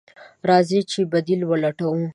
راځئ چې بديل ولټوو.